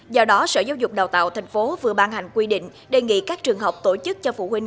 do đó sở giáo dục đào tạo tp vừa ban hành quy định đề nghị các trường học tổ chức cho phụ huynh